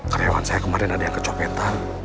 karyawan saya kemarin ada yang kecopetan